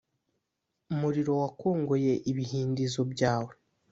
umuriro wakongoye ibihindizo byawe